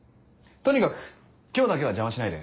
とにかく今日だけは邪魔しないで。